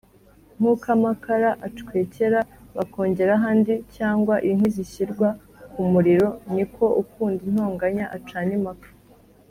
nk’uko amakara acwekēra bakongeraho andi, cyangwa inkwi zishyirwa ku muriro, ni ko ukunda intonganya acana impaka